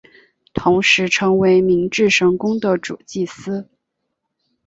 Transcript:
同时成为明治神宫的主祭司。